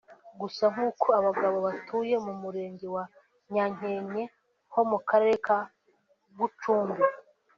Gusa nkuko abagabo batuye mu murenge wa Nyankenye ho mu karere ka Gucumbi